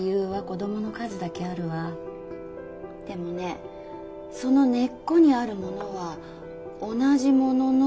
でもねその根っこにあるものは同じものの気がする。